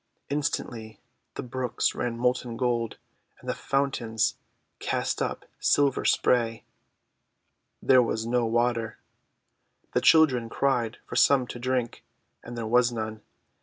Instantly the brooks ran molten gold, and the fountains cast up silver spray. There was no water. The children cried for some to drink, and there was none.